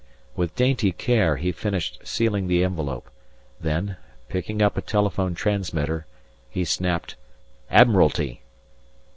With dainty care he finished sealing the envelope, then, picking up a telephone transmitter, he snapped "Admiralty!"